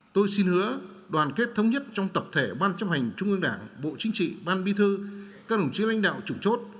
tôi xin hứa đoàn kết thống nhất trong tập thể ban chấp hành trung ương đảng bộ chính trị ban bi thư các đồng chí lãnh đạo chủ chốt